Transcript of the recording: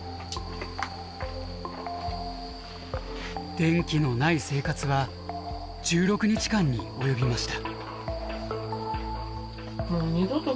電気のない生活は１６日間に及びました。